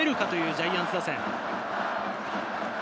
ジャイアンツ打線。